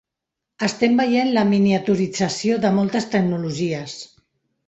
Estem veient la miniaturització de moltes tecnologies.